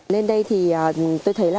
lên đây thì tôi thấy là